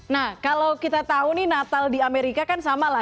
nah kalau kita tahu nih natal di amerika kan sama lah